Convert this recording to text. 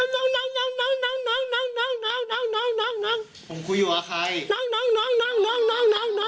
พ่อปู่พูดพูดภาษาอะไรคะ